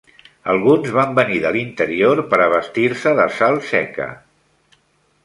Alguns van venir de l'interior per abastir-se de sal seca.